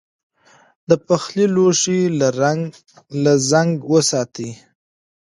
د پخلي لوښي له زنګ وساتئ.